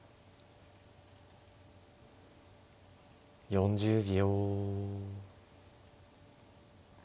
４０秒。